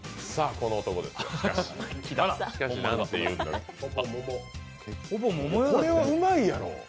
これはうまいやろ。